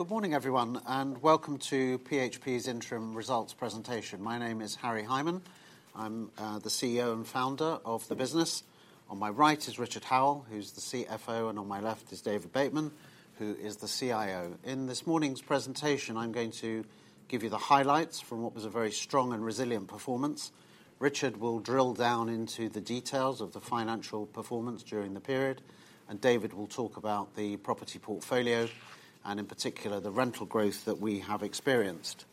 Good morning, everyone, welcome to PHP's interim results presentation. My name is Harry Hyman. I'm the CEO and founder of the business. On my right is Richard Howell, who's the CFO. On my left is David Bateman, who is the CIO. In this morning's presentation, I'm going to give you the highlights from what was a very strong and resilient performance. Richard will drill down into the details of the financial performance during the period. David will talk about the property portfolio, and in particular, the rental growth that we have experienced.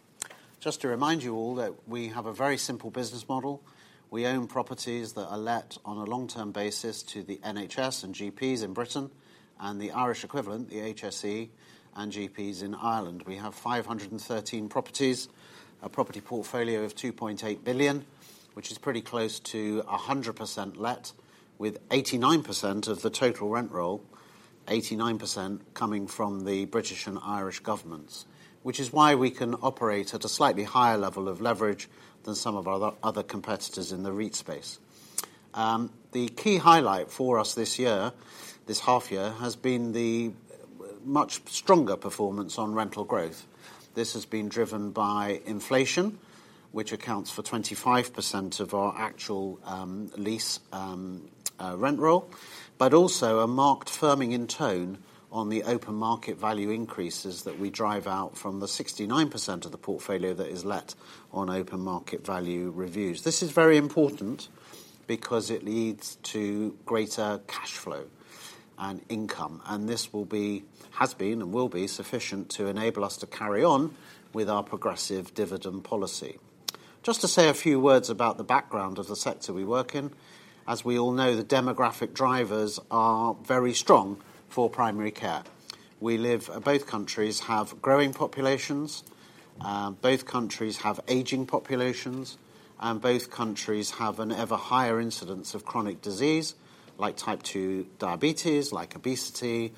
Just to remind you all that we have a very simple business model. We own properties that are let on a long-term basis to the NHS and GPs in Britain and the Irish equivalent, the HSE and GPs in Ireland. We have 513 properties, a property portfolio of 2.8 billion, which is pretty close to 100% let, with 89% of the total rent roll, 89% coming from the British and Irish governments, which is why we can operate at a slightly higher level of leverage than some of our other competitors in the REIT space. The key highlight for us this year, this half year, has been the much stronger performance on rental growth. This has been driven by inflation, which accounts for 25% of our actual lease rent roll, but also a marked firming in tone on the open market value increases that we drive out from the 69% of the portfolio that is let on open market value reviews. This is very important because it leads to greater cash flow and income, and this has been and will be sufficient to enable us to carry on with our progressive dividend policy. Just to say a few words about the background of the sector we work in. As we all know, the demographic drivers are very strong for primary care. Both countries have growing populations, both countries have aging populations, and both countries have an ever higher incidence of chronic disease, like type two diabetes, like obesity,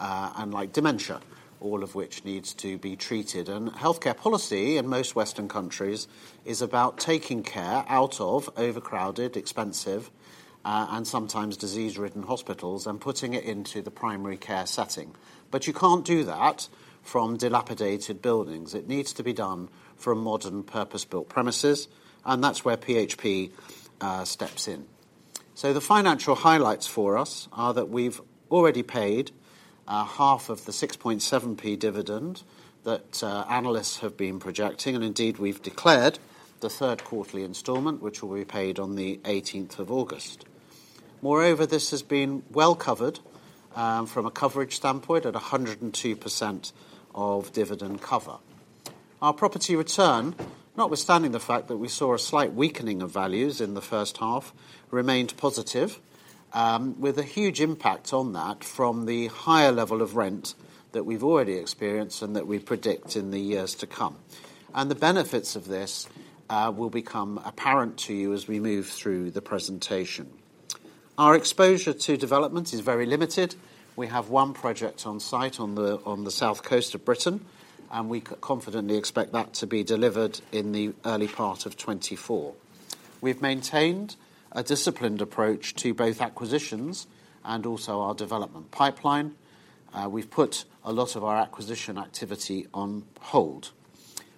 and like dementia, all of which needs to be treated. Healthcare policy in most Western countries is about taking care out of overcrowded, expensive, and sometimes disease-ridden hospitals and putting it into the primary care setting. You can't do that from dilapidated buildings. It needs to be done from modern, purpose-built premises, that's where PHP steps in. The financial highlights for us are that we've already paid half of the 6.7p dividend that analysts have been projecting, and indeed, we've declared the third quarterly installment, which will be paid on the 18th of August. Moreover, this has been well covered from a coverage standpoint at 102% of dividend cover. Our property return, notwithstanding the fact that we saw a slight weakening of values in the first half, remained positive with a huge impact on that from the higher level of rent that we've already experienced and that we predict in the years to come. The benefits of this will become apparent to you as we move through the presentation. Our exposure to development is very limited. We have one project on site on the south coast of Britain. We confidently expect that to be delivered in the early part of 2024. We've maintained a disciplined approach to both acquisitions and also our development pipeline. We've put a lot of our acquisition activity on hold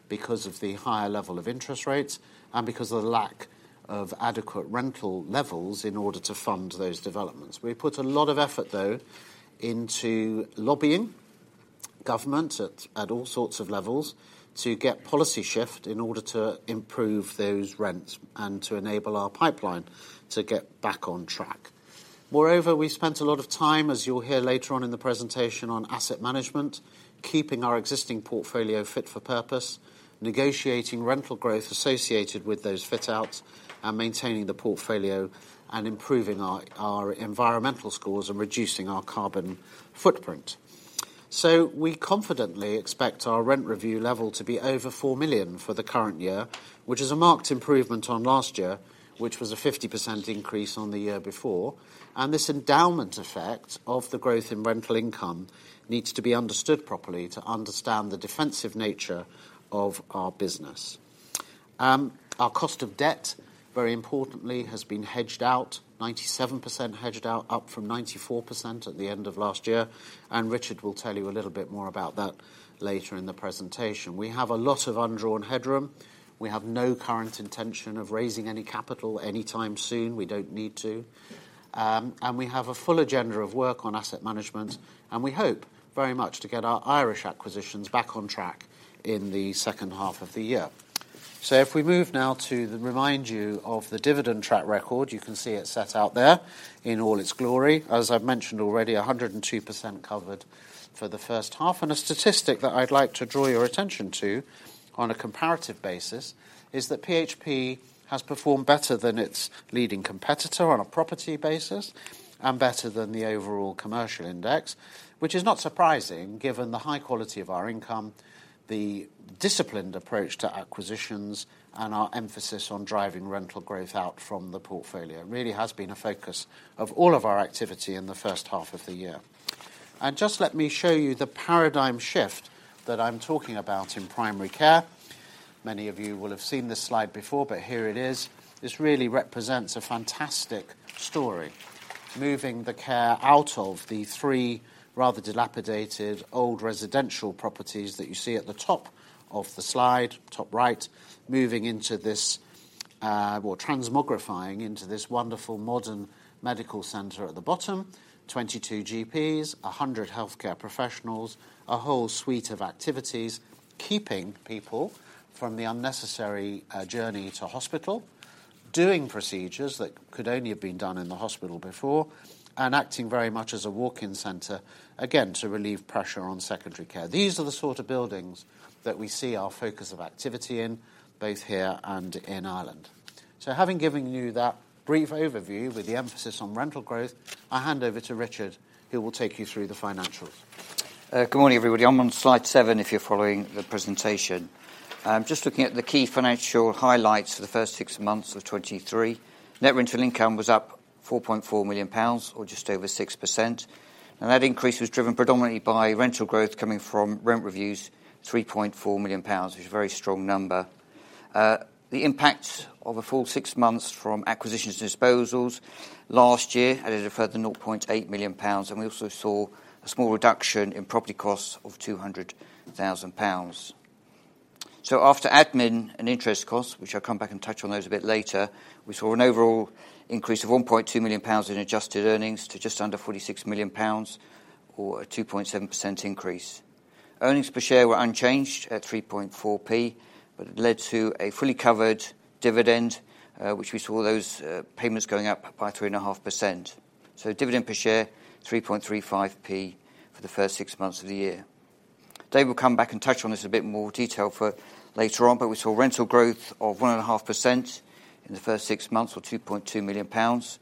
because of the higher level of interest rates and because of the lack of adequate rental levels in order to fund those developments. We put a lot of effort, though, into lobbying government at all sorts of levels to get policy shift in order to improve those rents and to enable our pipeline to get back on track. Moreover, we spent a lot of time, as you'll hear later on in the presentation, on asset management, keeping our existing portfolio fit for purpose, negotiating rental growth associated with those fit outs, and maintaining the portfolio and improving our environmental scores and reducing our carbon footprint. We confidently expect our rent review level to be over 4 million for the current year, which is a marked improvement on last year, which was a 50% increase on the year before. This endowment effect of the growth in rental income needs to be understood properly to understand the defensive nature of our business. Our cost of debt, very importantly, has been hedged out, 97% hedged out, up from 94% at the end of last year, and Richard will tell you a little bit more about that later in the presentation. We have a lot of undrawn headroom. We have no current intention of raising any capital anytime soon. We don't need to. We have a full agenda of work on asset management, we hope very much to get our Irish acquisitions back on track in the second half of the year. If we move now to remind you of the dividend track record, you can see it set out there in all its glory. As I've mentioned already, 102% covered for the first half. A statistic that I'd like to draw your attention to on a comparative basis is that PHP has performed better than its leading competitor on a property basis and better than the overall commercial index, which is not surprising given the high quality of our income, the disciplined approach to acquisitions, and our emphasis on driving rental growth out from the portfolio. It really has been a focus of all of our activity in the first half of the year. Just let me show you the paradigm shift that I'm talking about in primary care. Many of you will have seen this slide before. Here it is. This really represents a fantastic story, moving the care out of the three rather dilapidated old residential properties that you see at the top of the slide, top right, moving into this, or transmogrifying into this wonderful modern medical center at the bottom. 22 GPs, 100 healthcare professionals, a whole suite of activities, keeping people from the unnecessary journey to hospital, doing procedures that could only have been done in the hospital before, and acting very much as a walk-in center, again, to relieve pressure on secondary care. These are the sort of buildings that we see our focus of activity in, both here and in Ireland. Having given you that brief overview, with the emphasis on rental growth, I'll hand over to Richard, who will take you through the financials. Good morning, everybody. I'm on slide seven if you're following the presentation. Just looking at the key financial highlights for the first six months of 2023. Net rental income was up 4.4 million pounds, or just over 6%, and that increase was driven predominantly by rental growth coming from rent reviews, 3.4 million pounds, which is a very strong number. The impact of a full six months from acquisitions and disposals last year added a further 0.8 million pounds, and we also saw a small reduction in property costs of 200,000 pounds. After admin and interest costs, which I'll come back and touch on those a bit later, we saw an overall increase of 1.2 million pounds in adjusted earnings to just under 46 million pounds, or a 2.7% increase. Earnings per share were unchanged at 3.4p It led to a fully covered dividend, which we saw those payments going up by 3.5%. Dividend per share 3.35p for the first six months of the year. Dave will come back and touch on this in a bit more detail for later on. We saw rental growth of 1.5% in the first six months, or 2.2 million pounds.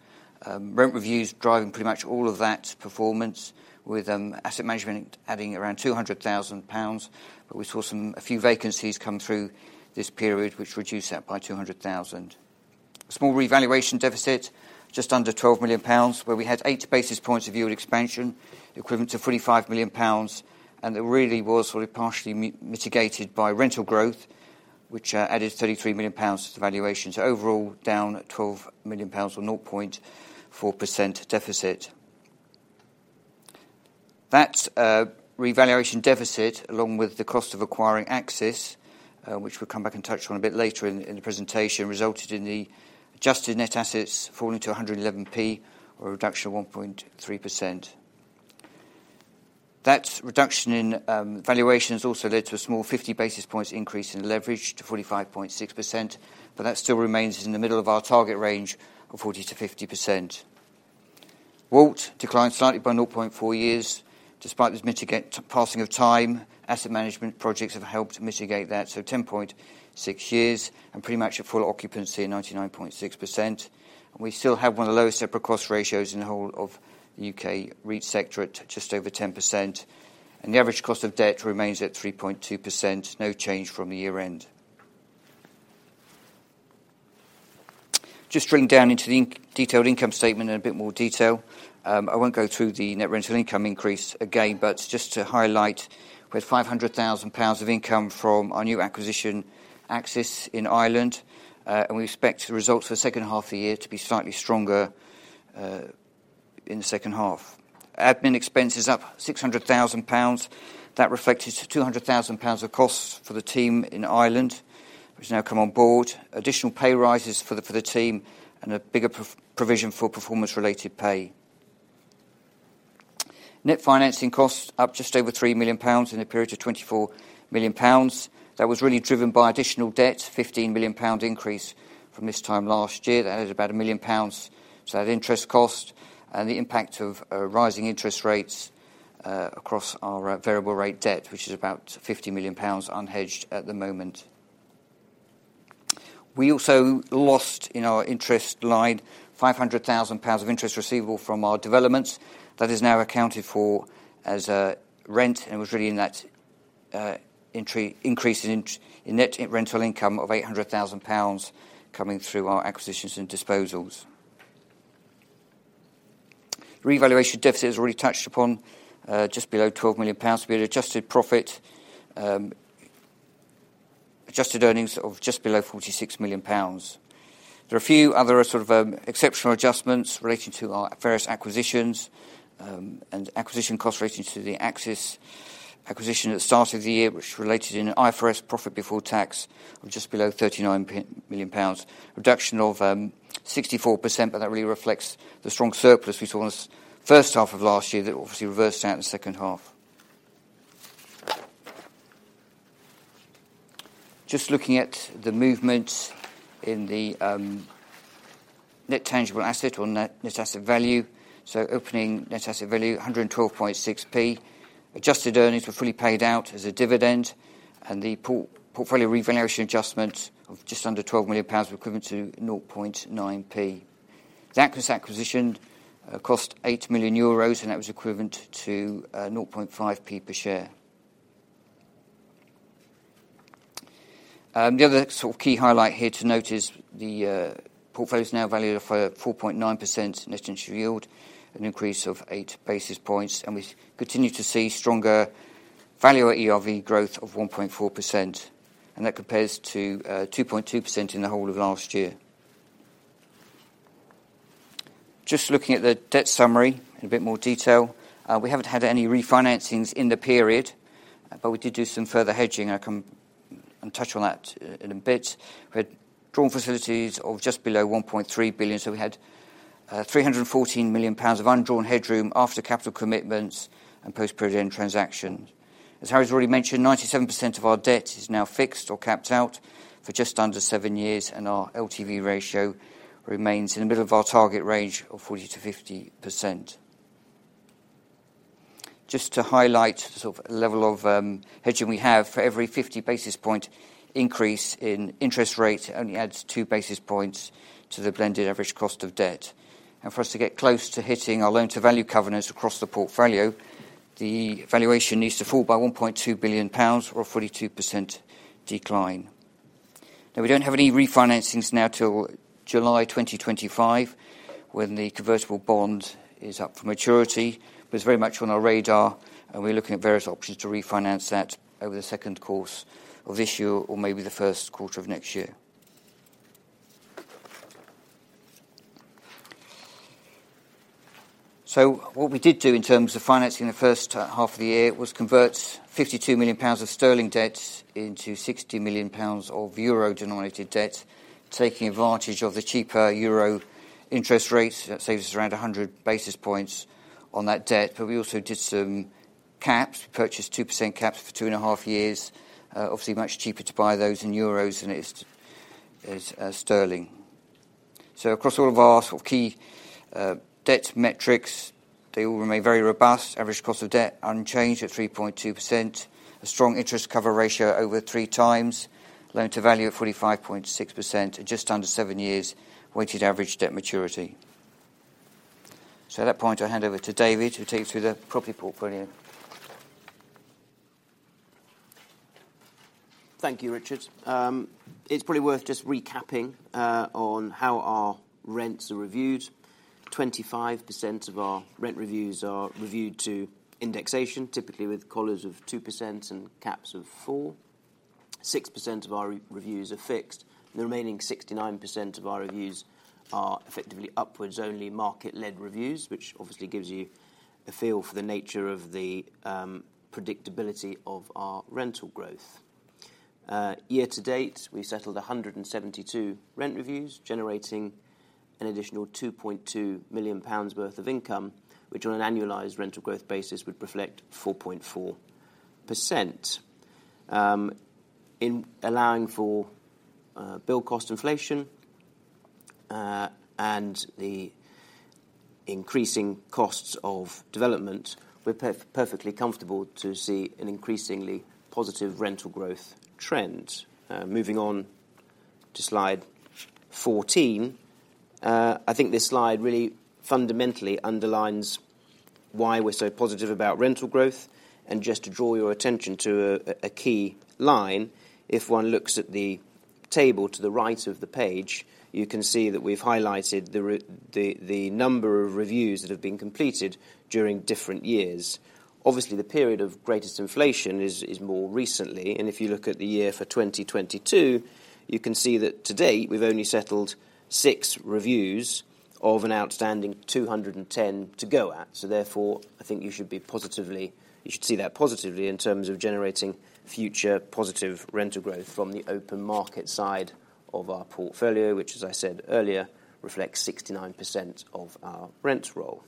Rent reviews driving pretty much all of that performance, with asset management adding around 200,000 pounds. We saw a few vacancies come through this period, which reduced that by 200,000. Small revaluation deficit, just under 12 million pounds, where we had 8 basis points of yield expansion, equivalent to 35 million pounds. That really was sort of partially mitigated by rental growth, which added 33 million pounds to the valuation. Overall, down at 12 million pounds, or 0.4% deficit. That revaluation deficit, along with the cost of acquiring Axis, which we'll come back and touch on a bit later in the presentation, resulted in the adjusted net assets falling to 111p, or a reduction of 1.3%. That reduction in valuation has also led to a small 50 basis points increase in leverage to 45.6%. That still remains in the middle of our target range of 40%-50%. WALT declined slightly by 0.4 years. Despite this passing of time, asset management projects have helped mitigate that, so 10.6 years, and pretty much a full occupancy of 99.6%. We still have one of the lowest separate cost ratios in the whole of the U.K. REIT sector, at just over 10%, and the average cost of debt remains at 3.2%. No change from the year-end. Just drilling down into the detailed income statement in a bit more detail. I won't go through the net rental income increase again, but just to highlight, we had 500,000 pounds of income from our new acquisition, Axis, in Ireland, and we expect the results for the second half of the year to be slightly stronger in the second half. Admin expenses up 600,000 pounds. That reflected 200,000 pounds of costs for the team in Ireland, which has now come on board, additional pay rises for the team, and a bigger provision for performance-related pay. Net financing costs up just over 3 million pounds in a period of 24 million pounds. That was really driven by additional debt, a 15 million pound increase from this time last year. That is about 1 million pounds. That interest cost and the impact of rising interest rates across our variable rate debt, which is about 50 million pounds unhedged at the moment. We also lost, in our interest line, 500,000 pounds of interest receivable from our developments. That is now accounted for as rent, was really in that entry, increase in net rental income of 800,000 pounds coming through our acquisitions and disposals. Revaluation deficit is already touched upon, just below 12 million pounds to be an adjusted profit, adjusted earnings of just below 46 million pounds. There are a few other sort of exceptional adjustments relating to our various acquisitions, acquisition costs relating to the Axis acquisition at the start of the year, which related in IFRS profit before tax of just below GBP 39 million. Reduction of 64%, that really reflects the strong surplus we saw in the first half of last year, that obviously reversed out in the second half. Just looking at the movement in the net tangible asset or net asset value. Opening net asset value, 112.6p. Adjusted earnings were fully paid out as a dividend, and the portfolio revaluation adjustment of just under 12 million pounds, were equivalent to 0.9p. The Axis acquisition cost 8 million euros, and that was equivalent to 0.5p per share. The other sort of key highlight here to note is the portfolio is now valued at 4.9% net initial yield, an increase of 8 basis points, and we continue to see stronger value at ERV growth of 1.4%, and that compares to 2.2% in the whole of last year. Just looking at the debt summary in a bit more detail. We haven't had any refinancings in the period, but we did do some further hedging, and I'll touch on that in a bit. We had drawn facilities of just below 1.3 billion, we had 314 million pounds of undrawn headroom after capital commitments and post-prudential transactions. As Harry's already mentioned, 97% of our debt is now fixed or capped out for just under seven years, and our LTV ratio remains in the middle of our target range of 40%-50%. Just to highlight the sort of level of hedging we have, for every 50 basis point increase in interest rate, only adds 2 basis points to the blended average cost of debt. For us to get close to hitting our loan-to-value covenants across the portfolio, the valuation needs to fall by 1.2 billion pounds or a 42% decline. We don't have any re-financings till July 2025, when the convertible bond is up for maturity. It's very much on our radar, and we're looking at various options to refinance that over the second course of this year or maybe the first quarter of next year. What we did do in terms of financing the first half of the year was convert 52 million of sterling debt into 60 million pounds of euro-denominated debt, taking advantage of the cheaper euro interest rates. That saves us around 100 basis points on that debt, but we also did some caps, purchased 2% caps for two and a half years. Obviously, much cheaper to buy those in euros than it is, sterling. Across all of our sort of key debt metrics, they all remain very robust. Average cost of debt unchanged at 3.2%. A strong interest cover ratio, over three times. Loan-to-value at 45.6%, at just under seven years, weighted average debt maturity. At that point, I'll hand over to David, who'll take you through the property portfolio. Thank you, Richard. It's probably worth just recapping on how our rents are reviewed. 25% of our rent reviews are reviewed to indexation, typically with collars of 2% and caps of 4%. 6% of our reviews are fixed, and the remaining 69% of our reviews are effectively upwards only market-led reviews, which obviously gives you a feel for the nature of the predictability of our rental growth. Year to date, we settled 172 rent reviews, generating an additional 2.2 million pounds worth of income, which on an annualized rental growth basis, would reflect 4.4%. In allowing for bill cost inflation, and the increasing costs of development, we're perfectly comfortable to see an increasingly positive rental growth trend. Moving on to slide 14. I think this slide really fundamentally underlines why we're so positive about rental growth. Just to draw your attention to a key line, if one looks at the table to the right of the page, you can see that we've highlighted the number of reviews that have been completed during different years. Obviously, the period of greatest inflation is more recently, and if you look at the year for 2022, you can see that to date, we've only settled six reviews of an outstanding 210 to go. Therefore, I think you should see that positively in terms of generating future positive rental growth from the open market side of our portfolio, which, as I said earlier, reflects 69% of our rent roll.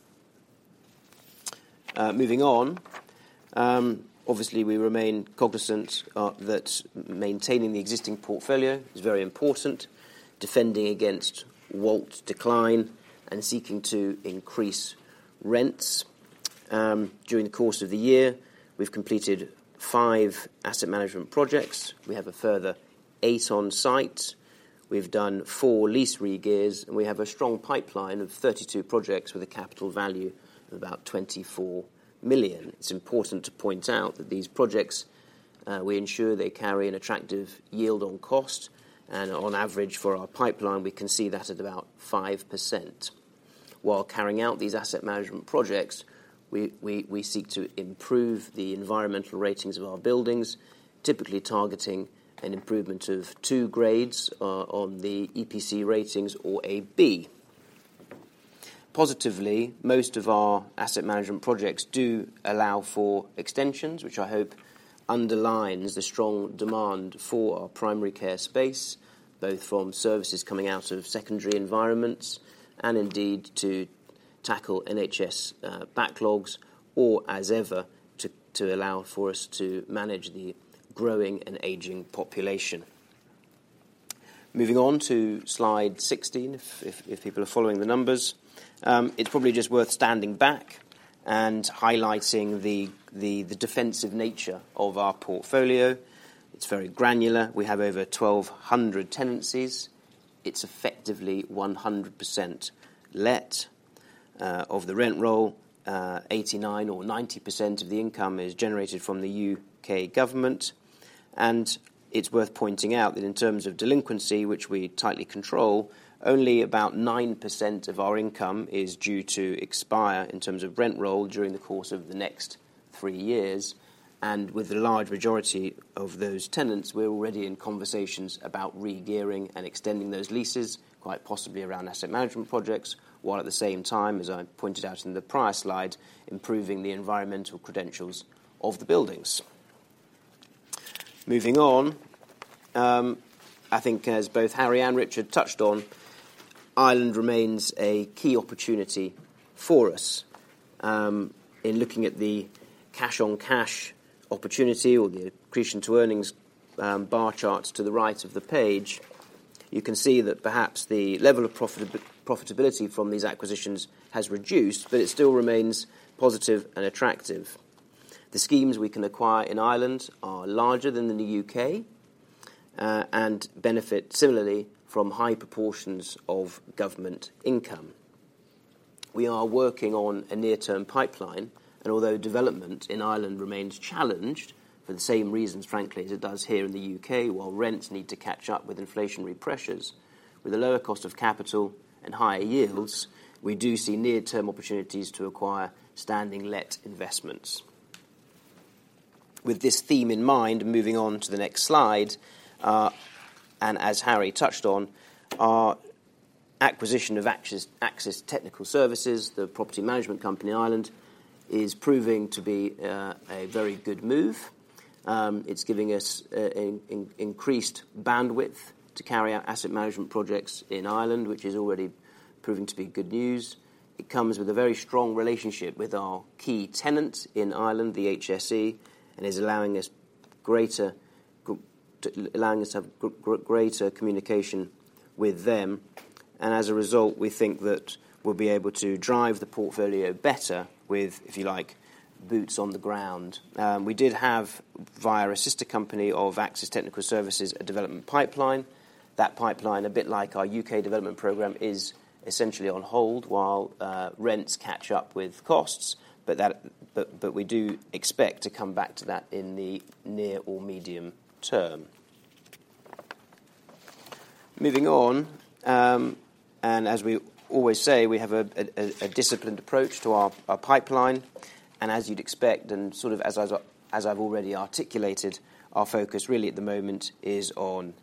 Moving on, obviously, we remain cognizant that maintaining the existing portfolio is very important, defending against WALT decline, and seeking to increase rents. During the course of the year, we've completed five asset management projects. We have a further eight on site. We've done four lease re-gears, and we have a strong pipeline of 32 projects with a capital value of about 24 million. It's important to point out that these projects, we ensure they carry an attractive yield on cost, and on average, for our pipeline, we can see that at about 5%. While carrying out these asset management projects, we seek to improve the environmental ratings of our buildings, typically targeting an improvement of two grades on the EPC ratings or a B. Positively, most of our asset management projects do allow for extensions, which I hope underlines the strong demand for our primary care space, both from services coming out of secondary environments, and indeed, to tackle NHS backlogs, or as ever, to allow for us to manage the growing and aging population. Moving on to Slide 16, if people are following the numbers. It's probably just worth standing back and highlighting the defensive nature of our portfolio. It's very granular. We have over 1,200 tenancies. It's effectively 100% let, of the rent roll, 89% or 90% of the income is generated from the UK government. It's worth pointing out that in terms of delinquency, which we tightly control, only about 9% of our income is due to expire in terms of rent roll during the course of the next three years, and with the large majority of those tenants, we're already in conversations about re-gearing and extending those leases, quite possibly around asset management projects, while at the same time, as I pointed out in the prior slide, improving the environmental credentials of the buildings. Moving on, I think as both Harry and Richard touched on, Ireland remains a key opportunity for us. In looking at the cash-on-cash opportunity or the accretion to earnings, bar charts to the right of the page, you can see that perhaps the level of profitability from these acquisitions has reduced, but it still remains positive and attractive. The schemes we can acquire in Ireland are larger than in the U.K., and benefit similarly from high proportions of government income. We are working on a near-term pipeline, although development in Ireland remains challenged for the same reasons, frankly, as it does here in the U.K., while rents need to catch up with inflationary pressures, with a lower cost of capital and higher yields, we do see near-term opportunities to acquire standing let investments. With this theme in mind, moving on to the next slide, as Harry touched on, our acquisition of Axis Technical Services, the property management company in Ireland, is proving to be a very good move. It's giving us an increased bandwidth to carry out asset management projects in Ireland, which is already proving to be good news. It comes with a very strong relationship with our key tenants in Ireland, the HSE, and is allowing us greater to allowing us to have greater communication with them. As a result, we think that we'll be able to drive the portfolio better with, if you like, boots on the ground. We did have, via a sister company of Axis Technical Services, a development pipeline. That pipeline, a bit like our UK development program, is essentially on hold while rents catch up with costs, but we do expect to come back to that in the near or medium term. Moving on, as we always say, we have a disciplined approach to our pipeline, as you'd expect, and sort of as I've already articulated, our focus really at the moment is on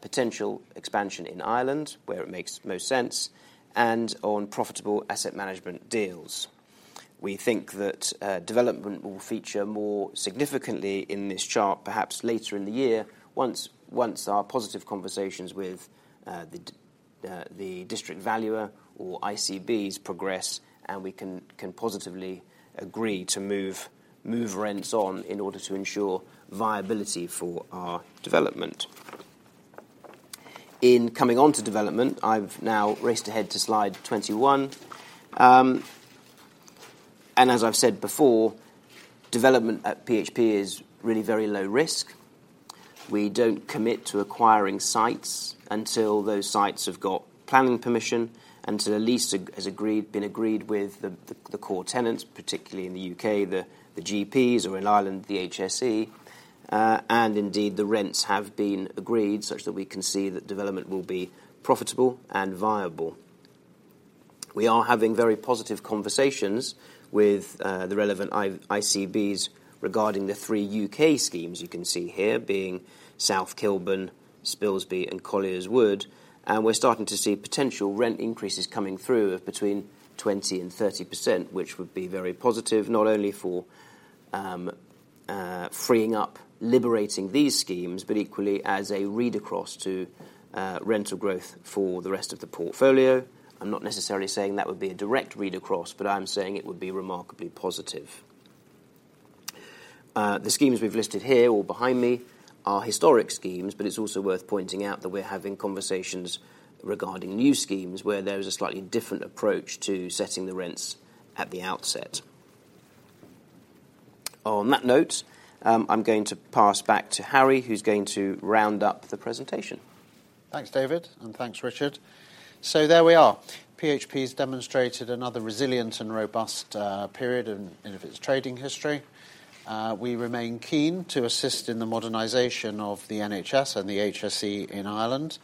potential expansion in Ireland, where it makes most sense, and on profitable asset management deals. We think that development will feature more significantly in this chart, perhaps later in the year, once our positive conversations with the district valuer or ICBs progress and we can positively agree to move rents on in order to ensure viability for our development. In coming on to development, I've now raced ahead to slide 21. As I've said before, development at PHP is really very low risk. We don't commit to acquiring sites until those sites have got planning permission, until a lease been agreed with the core tenants, particularly in the U.K., the GPs or in Ireland, the HSE. Indeed, the rents have been agreed such that we can see that development will be profitable and viable. We are having very positive conversations with the relevant ICBs regarding the three UK schemes you can see here, being South Kilburn, Spilsby and Colliers Wood, and we're starting to see potential rent increases coming through of between 20% and 30%, which would be very positive, not only for freeing up, liberating these schemes, but equally as a read across to rental growth for the rest of the portfolio. I'm not necessarily saying that would be a direct read across, but I'm saying it would be remarkably positive. The schemes we've listed here or behind me, are historic schemes, but it's also worth pointing out that we're having conversations regarding new schemes, where there is a slightly different approach to setting the rents at the outset. On that note, I'm going to pass back to Harry, who's going to round up the presentation. Thanks, David, and thanks, Richard. There we are. PHP has demonstrated another resilient and robust period of its trading history. We remain keen to assist in the modernization of the NHS and the HSE in Ireland.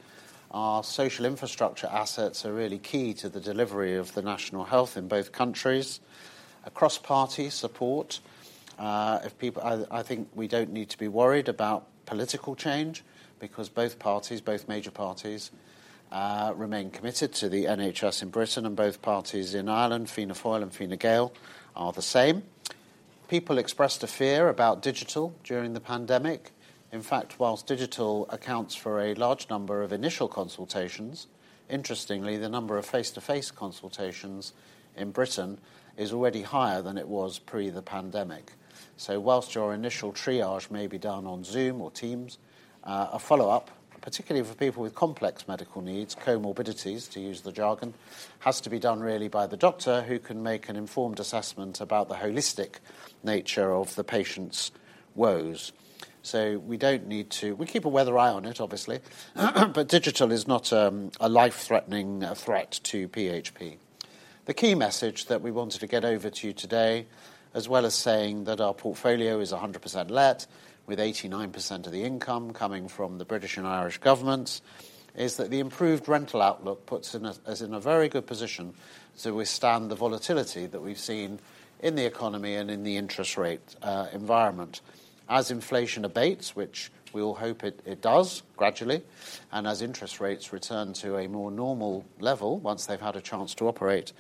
Our social infrastructure assets are really key to the delivery of the national health in both countries. Across party support, I think we don't need to be worried about political change because both parties, both major parties, remain committed to the NHS in Britain, and both parties in Ireland, Fianna Fáil and Fine Gael, are the same. People expressed a fear about digital during the pandemic. In fact, whilst digital accounts for a large number of initial consultations, interestingly, the number of face-to-face consultations in Britain is already higher than it was pre the pandemic. Whilst your initial triage may be done on Zoom or Teams, a follow-up, particularly for people with complex medical needs, comorbidities, to use the jargon, has to be done really by the doctor, who can make an informed assessment about the holistic nature of the patient's woes. We don't need to. We keep a weather eye on it, obviously, but digital is not a life-threatening threat to PHP. The key message that we wanted to get over to you today, as well as saying that our portfolio is 100% let, with 89% of the income coming from the British and Irish governments, is that the improved rental outlook puts us in a very good position to withstand the volatility that we've seen in the economy and in the interest rate environment. As inflation abates, which we all hope it does gradually, and as interest rates return to a more normal level once they've had a chance to operate,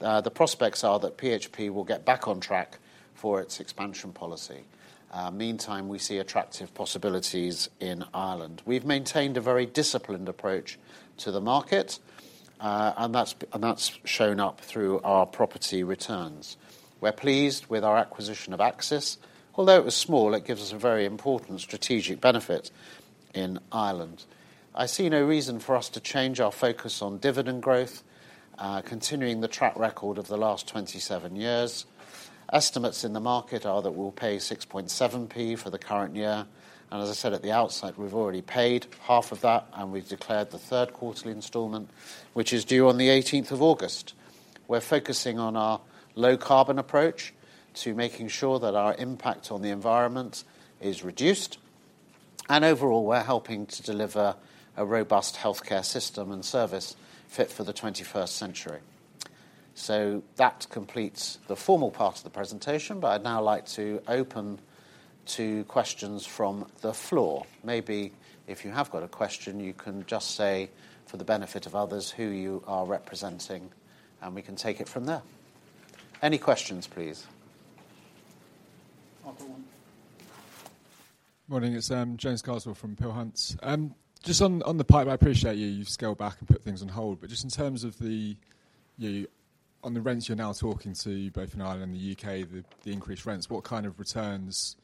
the prospects are that PHP will get back on track for its expansion policy. Meantime, we see attractive possibilities in Ireland. We've maintained a very disciplined approach to the market, and that's shown up through our property returns. We're pleased with our acquisition of Axis. Although it was small, it gives us a very important strategic benefit in Ireland. I see no reason for us to change our focus on dividend growth, continuing the track record of the last 27 years. Estimates in the market are that we'll pay 6.7p for the current year, and as I said at the outset, we've already paid half of that, and we've declared the third quarterly installment, which is due on the 18th of August. We're focusing on our low-carbon approach to making sure that our impact on the environment is reduced, and overall, we're helping to deliver a robust healthcare system and service fit for the 21st century. That completes the formal part of the presentation. I'd now like to open to questions from the floor. Maybe if you have got a question, you can just say, for the benefit of others, who you are representing, and we can take it from there. Any questions, please? Morning, it's James Carswell from Peel Hunt. Just on the pipe, I appreciate you've scaled back and put things on hold, just in terms of the rents you're now talking to, both in Ireland and the U.K., the increased rents, what kind of returns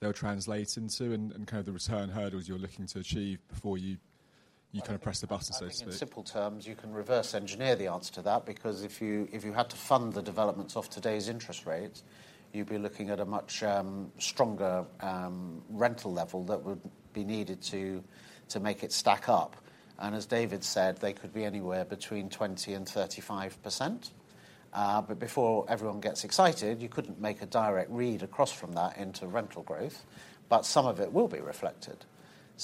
they'll translate into and kind of the return hurdles you're looking to achieve before you kind of press the button, so to speak? I think in simple terms, you can reverse engineer the answer to that, because if you had to fund the developments of today's interest rates, you'd be looking at a much stronger rental level that would be needed to make it stack up. As David said, they could be anywhere between 20% and 35%. Before everyone gets excited, you couldn't make a direct read across from that into rental growth, but some of it will be reflected.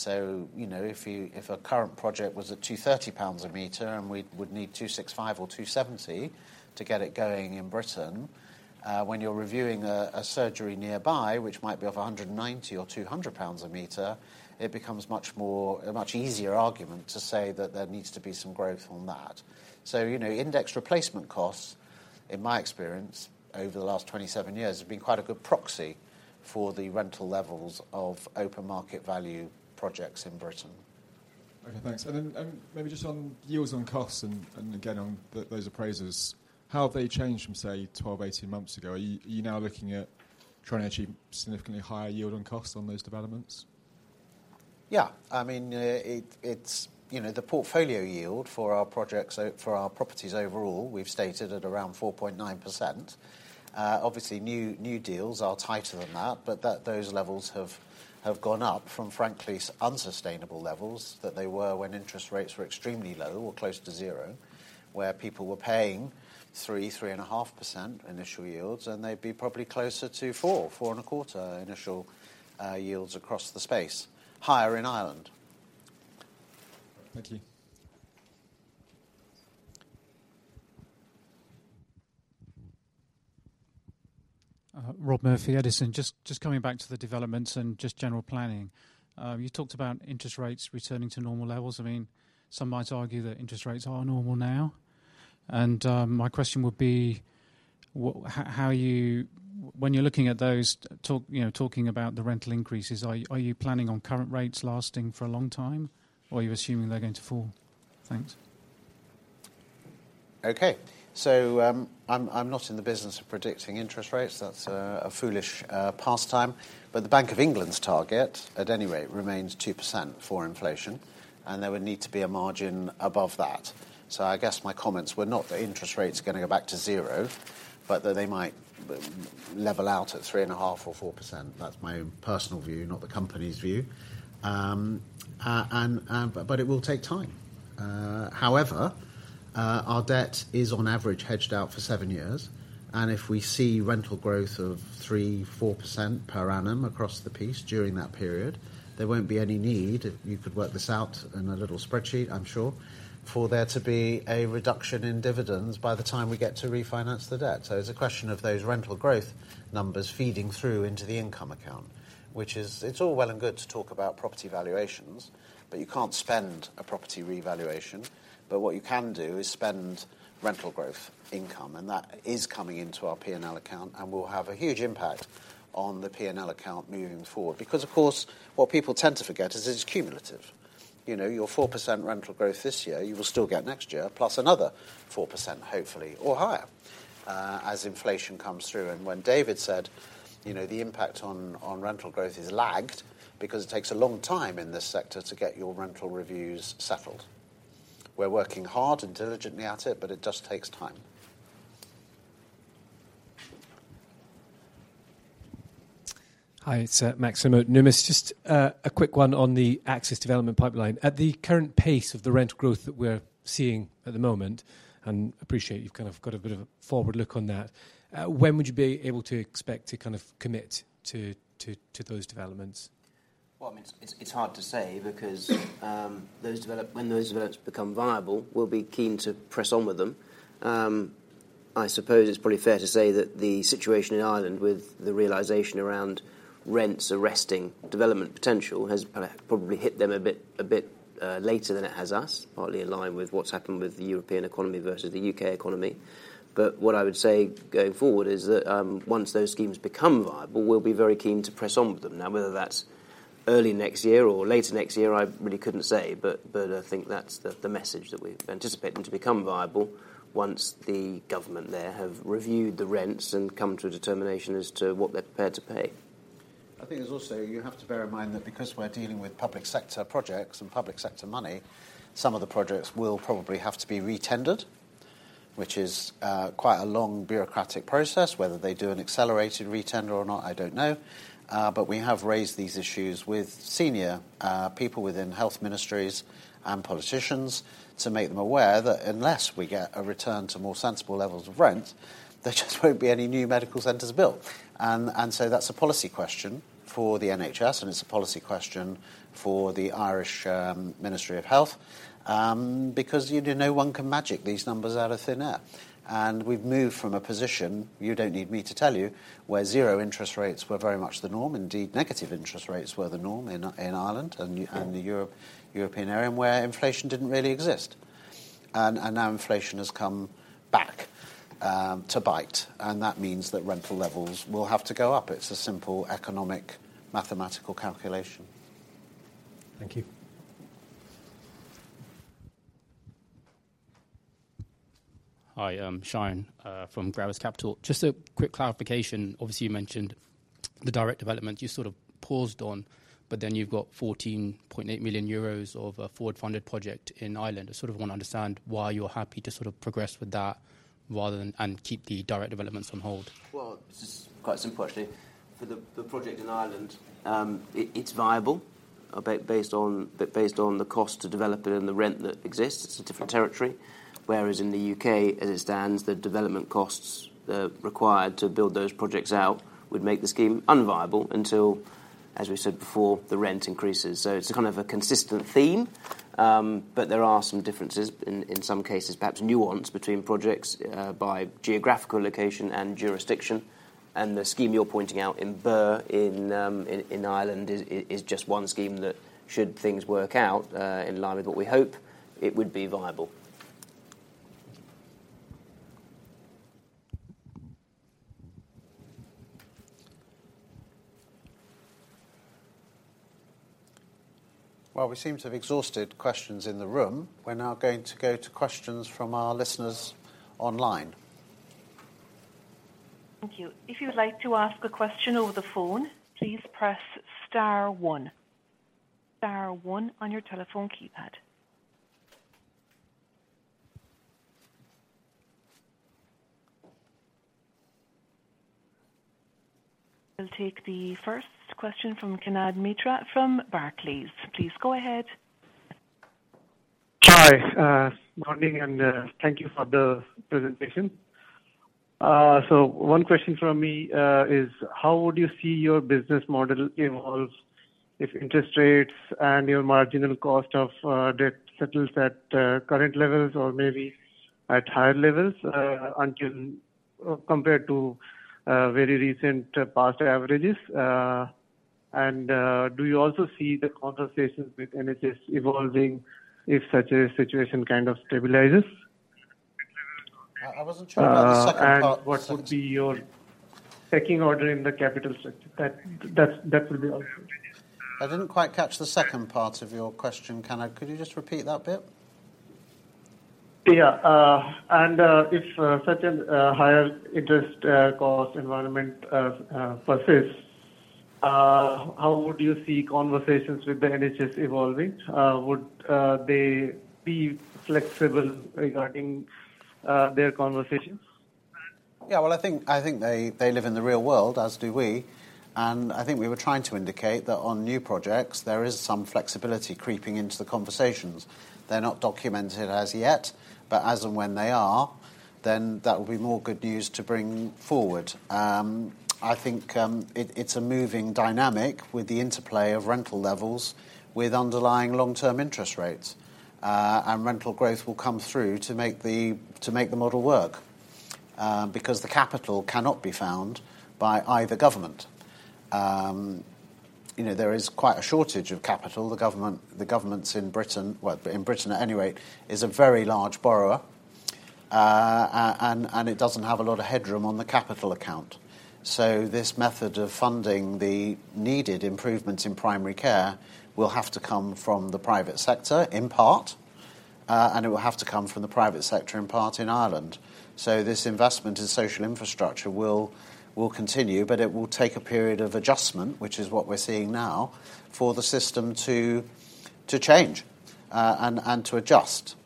You know, if a current project was at 230 pounds a meter, and we would need 265 or 270 to get it going in Britain, when you're reviewing a surgery nearby, which might be of 190 or 200 pounds a meter, it becomes much more... a much easier argument to say that there needs to be some growth on that. You know, index replacement costs, in my experience, over the last 27 years, have been quite a good proxy for the rental levels of open market value projects in Britain. Okay, thanks. Maybe just on yields on costs and again, on those appraisers, how have they changed from, say, 12, 18 months ago? Are you now looking at trying to achieve significantly higher yield on costs on those developments? Yeah. I mean, you know, the portfolio yield for our projects, so for our properties overall, we've stated at around 4.9%. Obviously, new deals are tighter than that, but those levels have gone up from, frankly, unsustainable levels that they were when interest rates were extremely low or close to zero, where people were paying 3.5% initial yields, and they'd be probably closer to 4.25% initial yields across the space. Higher in Ireland. Thank you. Rob Murphy, Edison. Just coming back to the developments and just general planning. You talked about interest rates returning to normal levels. I mean, some might argue that interest rates are normal now. My question would be, how are you... When you're looking at those, you know, talking about the rental increases, are you planning on current rates lasting for a long time, or are you assuming they're going to fall? Thanks. I'm not in the business of predicting interest rates. That's a foolish pastime, but the Bank of England's target, at any rate, remains 2% for inflation, and there would need to be a margin above that. I guess my comments were not that interest rates are gonna go back to zero, but that they might level out at 3.5% or 4%. That's my own personal view, not the company's view. It will take time. However, our debt is on average, hedged out for seven years, and if we see rental growth of 3%-4% per annum across the piece during that period, there won't be any need, you could work this out in a little spreadsheet, I'm sure, for there to be a reduction in dividends by the time we get to refinance the debt. It's a question of those rental growth numbers feeding through into the income account, which is, it's all well and good to talk about property valuations, but you can't spend a property revaluation. What you can do is spend rental growth income, and that is coming into our P&L account and will have a huge impact on the P&L account moving forward. Of course, what people tend to forget is it's cumulative. You know, your 4% rental growth this year, you will still get next year, plus another 4%, hopefully, or higher, as inflation comes through. When David said, you know, the impact on rental growth is lagged because it takes a long time in this sector to get your rental reviews settled. We're working hard and diligently at it, but it just takes time. Hi, it's Max Nimmo, Numis. Just a quick one on the Axis development pipeline. At the current pace of the rent growth that we're seeing at the moment, appreciate you've kind of got a bit of a forward look on that, when would you be able to expect to kind of commit to those developments? Well, I mean, it's hard to say because, when those developments become viable, we'll be keen to press on with them. I suppose it's probably fair to say that the situation in Ireland with the realization around rents arresting development potential has kinda probably hit them a bit later than it has us, partly in line with what's happened with the European economy versus the U.K. economy. What I would say, going forward, is that once those schemes become viable, we'll be very keen to press on with them. Whether that's early next year or later next year, I really couldn't say, but I think that's the message that we've anticipating to become viable once the government there have reviewed the rents and come to a determination as to what they're prepared to pay. I think there's also, you have to bear in mind that because we're dealing with public sector projects and public sector money, some of the projects will probably have to be re-tendered, which is quite a long bureaucratic process. Whether they do an accelerated re-tender or not, I don't know. But we have raised these issues with senior people within health ministries and politicians to make them aware that unless we get a return to more sensible levels of rent, there just won't be any new medical centers built. That's a policy question for the NHS, and it's a policy question for the Irish Ministry of Health. Because no one can magic these numbers out of thin air. We've moved from a position, you don't need me to tell you, where zero interest rates were very much the norm. Indeed, negative interest rates were the norm in Ireland and the European area, where inflation didn't really exist. Now inflation has come back to bite, and that means that rental levels will have to go up. It's a simple economic mathematical calculation. Thank you. Hi, I'm Shayan, from Gravis Capital. Just a quick clarification. Obviously, you mentioned the direct development you sort of paused on, but then you've got 14.8 million euros of a forward-funded project in Ireland. I sort of wanna understand why you're happy to sort of progress with that rather than and keep the direct developments on hold? This is quite simple, actually. For the project in Ireland, it's viable based on the cost to develop it and the rent that exists. It's a different territory. Whereas in the U.K., as it stands, the development costs required to build those projects out would make the scheme unviable until, as we said before, the rent increases. It's kind of a consistent theme, but there are some differences in some cases, perhaps nuance between projects by geographical location and jurisdiction. The scheme you're pointing out in Birr, in Ireland, is just one scheme that should things work out in line with what we hope, it would be viable. Well, we seem to have exhausted questions in the room. We're now going to go to questions from our listeners online. Thank you. If you'd like to ask a question over the phone, please press star one, star one on your telephone keypad. We'll take the first question from Kanad Mitra, from Barclays. Please go ahead. Hi, morning, thank you for the presentation. One question from me is: How would you see your business model evolve if interest rates and your marginal cost of debt settles at current levels or maybe at higher levels until compared to very recent past averages? Do you also see the conversations with NHS evolving if such a situation kind of stabilizes? I wasn't sure about the second part. What would be your second order in the capital structure? That would be all. I didn't quite catch the second part of your question, Kanad. Could you just repeat that bit? Yeah, if such a higher interest cost environment persists, how would you see conversations with the NHS evolving? Would they be flexible regarding their conversations? Well, I think they live in the real world, as do we. I think we were trying to indicate that on new projects, there is some flexibility creeping into the conversations. They're not documented as yet, but as and when they are, then that will be more good news to bring forward. I think it's a moving dynamic with the interplay of rental levels, with underlying long-term interest rates. Rental growth will come through to make the model work because the capital cannot be found by either government. You know, there is quite a shortage of capital. The governments in Britain, well, in Britain anyway, is a very large borrower. It doesn't have a lot of headroom on the capital account. This method of funding the needed improvements in primary care will have to come from the private sector, in part, and it will have to come from the private sector, in part, in Ireland. This investment in social infrastructure will continue, but it will take a period of adjustment, which is what we're seeing now, for the system to change, and to adjust.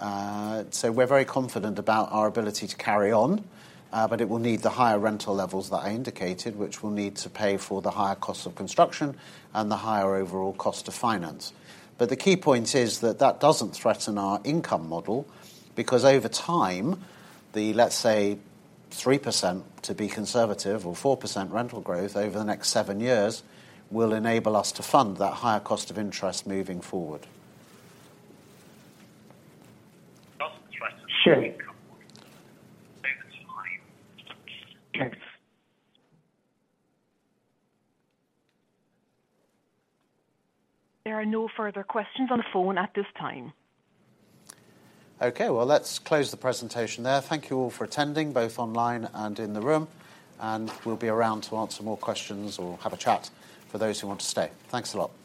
We're very confident about our ability to carry on, but it will need the higher rental levels that I indicated, which will need to pay for the higher costs of construction and the higher overall cost to finance. The key point is that doesn't threaten our income model, because over time, the, let's say, 3%, to be conservative, or 4% rental growth over the next seven years, will enable us to fund that higher cost of interest moving forward. Sure. There are no further questions on the phone at this time. Okay, well, let's close the presentation there. Thank you all for attending, both online and in the room, and we'll be around to answer more questions or have a chat for those who want to stay. Thanks a lot.